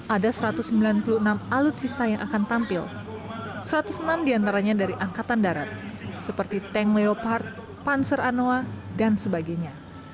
ada satu ratus sembilan puluh enam alutsista yang akan tampil satu ratus enam diantaranya dari angkatan darat seperti tank leopard panzer anoa dan sebagainya